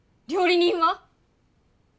料理人は？